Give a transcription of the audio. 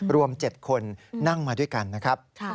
รวม๗คนนั่งมาด้วยกันนะครับ